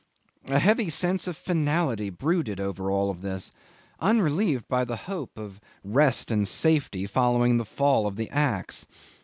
A heavy sense of finality brooded over all this, unrelieved by the hope of rest and safety following the fall of the axe.